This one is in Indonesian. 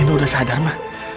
nenek udah sadar ma